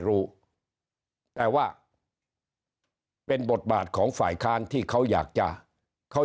รู้แต่ว่าเป็นบทบาทของฝ่ายค้านที่เขาอยากจะเขา